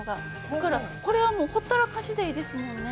だから、これはもうほったらかしでいいですからね。